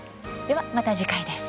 では、また次回です。